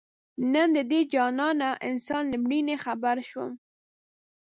نن د دې جانانه انسان له مړیني خبر شوم